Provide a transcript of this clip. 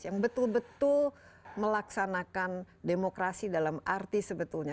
yang betul betul melaksanakan demokrasi dalam arti sebetulnya